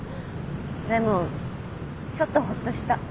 でもちょっとほっとした。